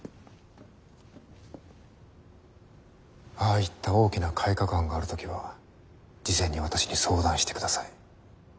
ああいった大きな改革案がある時は事前に私に相談してください。